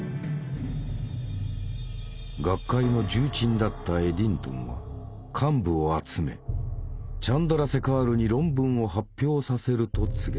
学会の重鎮だったエディントンは幹部を集めチャンドラセカールに論文を発表させると告げた。